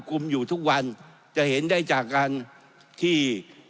คุมอยู่ทุกวันจะเห็นได้จากการที่